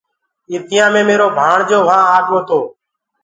اِتيآ مي ميرو ڀآڻجو وهآنٚ آگو تو